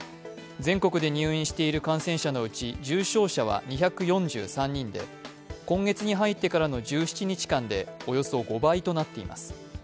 全国で入院している感染者のうち重症者は２４３人で今月に入ってからの１７日間でおよそ５倍となっています。